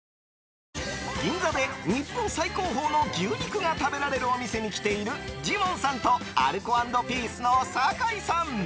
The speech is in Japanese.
銀座で日本最高峰の牛肉が食べられるお店に来ているジモンさんとアルコ＆ピースの酒井さん。